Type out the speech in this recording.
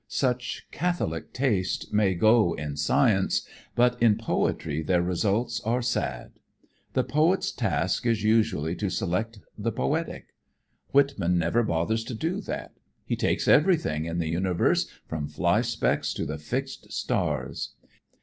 Such catholic taste may go in science, but in poetry their results are sad. The poet's task is usually to select the poetic. Whitman never bothers to do that, he takes everything in the universe from fly specks to the fixed stars.